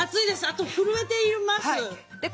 あと震えています。